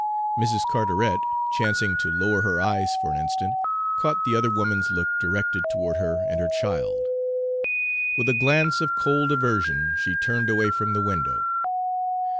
Mrs. Carteret, chancing to lower her eyes for an instant, caught the other woman's look directed toward her and her child. With a glance of cold aversion she turned away from the window.